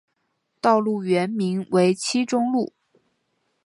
道路原名为七中路。